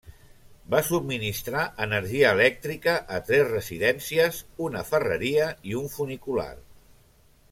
Va subministrar energia elèctrica a tres residències, una ferreria i un funicular.